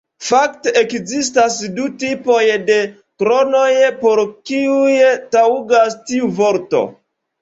Fakte ekzistas du tipoj de kronoj, por kiuj taŭgas tiu vorto.